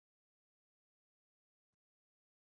原属阿尔帕德的部落以阿尔帕德之子索尔坦为大公。